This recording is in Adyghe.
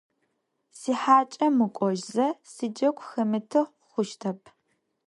Сихьакӏэ мыкӏожьзэ сиджэгу хэмыты хъущтэп.